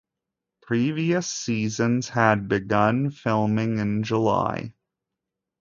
Previous seasons had begun filming in July.